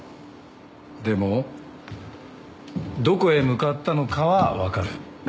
でもどこへ向かったのかは分かる。